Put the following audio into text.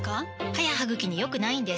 歯や歯ぐきに良くないんです